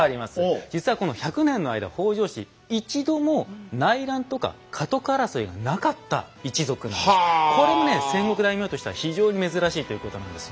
実はこの１００年の間北条氏これもね戦国大名としては非常に珍しいということなんですよ。